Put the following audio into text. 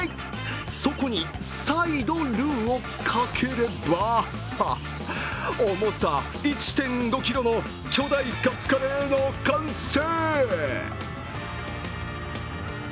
そこに再度ルーをかければ、重さ１．５ｋｇの巨大カツカレーの完成。